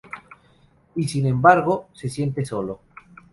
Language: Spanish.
Y, sin embargo, se siente solo.